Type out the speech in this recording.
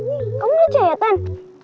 eh kamu lihat setan